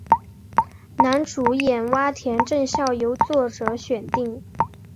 男主演洼田正孝由作者选定。